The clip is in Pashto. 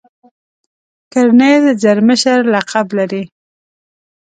کرنیل زر مشر لقب لري.